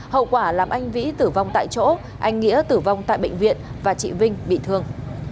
hậu quả làm anh vĩ tử vong tại chỗ anh nghĩa tử vong tại bệnh viện và chị vinh bị thương